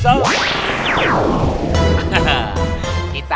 siap wala begitu